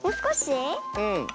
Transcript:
うん。